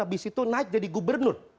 habis itu naik jadi gubernur